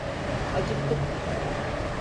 Acıktık.